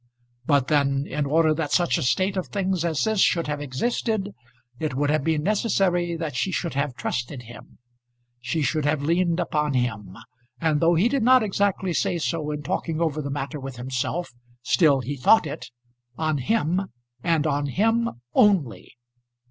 But then, in order that such a state of things as this should have existed, it would have been necessary that she should have trusted him. She should have leaned upon him, and, though he did not exactly say so in talking over the matter with himself, still he thought it, on him and on him only.